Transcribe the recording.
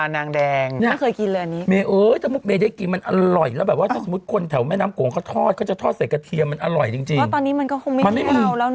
ว่าตอนนี้มันก็คงไม่ได้แค่เราแล้วเนอะ